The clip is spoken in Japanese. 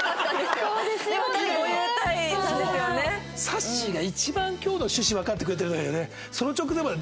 さっしーが一番今日の趣旨わかってくれてるんだけどね。